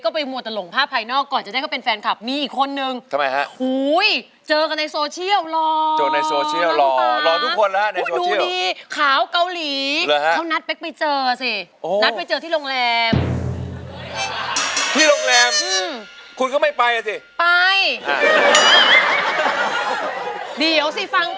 คุยกันได้๕นาทีเขาชวนขึ้นห้อง